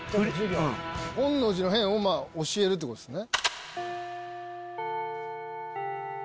本能寺の変を教えるってことですね。